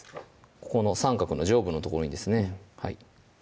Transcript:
ここの三角の上部の所にですね